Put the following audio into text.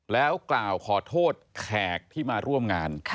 แล้วกล่าวขอโทษแขกที่มาร่วมงาน